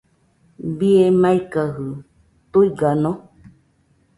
Bie maikajɨ¿tuigano?